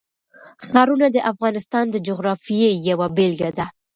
ښارونه د افغانستان د جغرافیې یوه بېلګه ده.